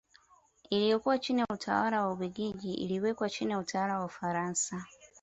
Iliyokuwa chini ya utawala wa Ubelgiji iliwekwa chini ya utawala wa Ufaransa